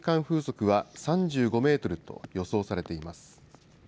風速は３５メートルと予想されています。